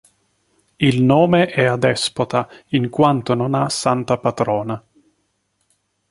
Il nome è adespota, in quanto non ha santa patrona.